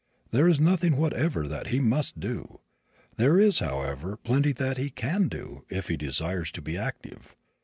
There is nothing whatever that he must do. There is, however, plenty that he can do if he desires to be active.